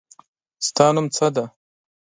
ستا نوم څه دی؟